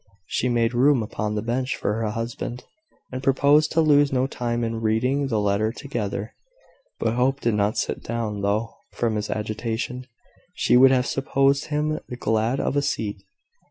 She made room upon the bench for her husband, and proposed to lose no time in reading the letter together. But Hope did not sit down, though, from his agitation, she would have supposed him glad of a seat.